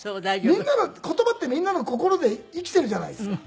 言葉ってみんなの心で生きているじゃないですか。